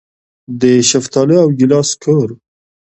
د شفتالو او ګیلاس کور.